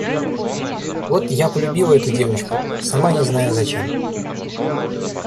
Вот я полюбила эту девочку, сама не знаю зачем.